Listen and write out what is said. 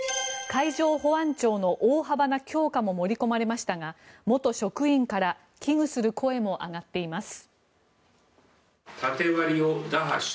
海上保安庁の大幅な強化も盛り込まれましたが元職員から危惧する声も上がっています。